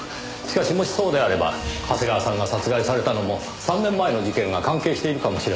しかしもしそうであれば長谷川さんが殺害されたのも３年前の事件が関係しているかもしれません。